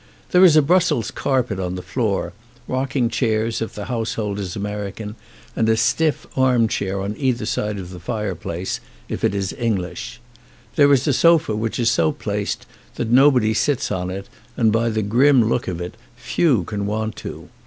There is a Brussels carpet on the floor, rocking chairs if the household is American and a stiff arm chair on each side of the fireplace if it is English. There is a sofa which is so placed that nobody sits on it and by the grim look of it few can want to.